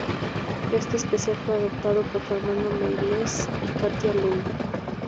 Este especial fue adaptado por Fernando Meirelles y Katia Lund.